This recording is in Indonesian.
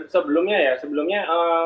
sebelumnya ya sebelumnya